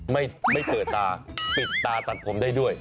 ไม่เปิดตาปิดตาตัดผมได้ด้วย